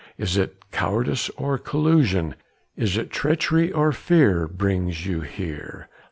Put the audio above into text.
Is it cowardice or collusion? Is it treachery or fear brings you here?"